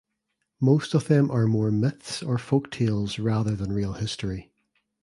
Most of them are more myths or folktales rather than real history.